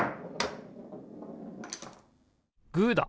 グーだ！